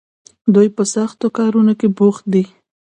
دوی په سختو کارونو کې بوخت دي.